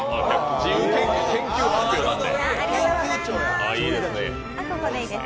自由研究、研究発表なので。